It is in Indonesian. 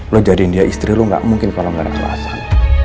lo jadiin dia istri lu gak mungkin kalau gak ada alasan